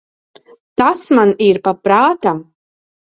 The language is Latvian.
Tas man ir pa prātam.